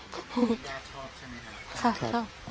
เพราะว่าขนาดผมไปออกทีวีมา